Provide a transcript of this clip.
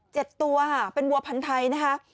เจ็ดตัวเป็นวัวพันธัยนะฮะ